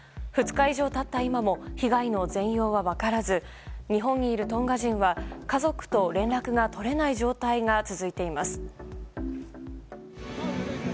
２日以上経った今も被害の全容は分からず日本にいるトンガ人は家族と連絡が取れない状態が続いています。